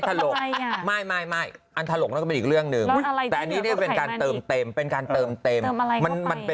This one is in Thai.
ที่หลวงปากคุณแม่มีทำไหมมีมีทำไมอ่ะ